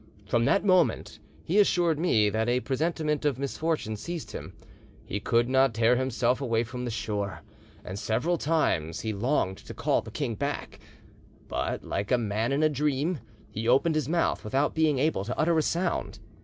From that moment he assured me that a presentiment of misfortune seized him; he could not tear himself away from the shore, and several times he longed to call the king back, but, like a man in a dream, he opened his mouth without being able to utter a sound.